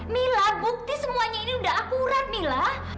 mila bukti semuanya ini udah akurat mila